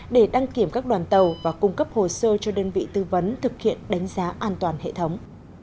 để đăng kiểm các đoàn tàu và cung cấp hồ sơ cho đơn vị tư vấn thực hiện đánh giá an toàn hệ thống